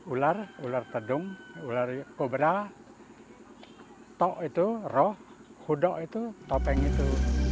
ular ular tedung ular kobra tok itu roh hudok itu topeng itu